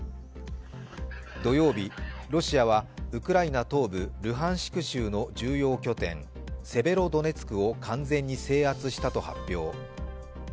土曜日、ロシアはウクライナ東部ルハンシク州の重要拠点、セベロドネツクを完全に制圧したと発表。